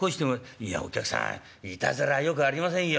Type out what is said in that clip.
「いやお客さんいたずらはよくありませんよ。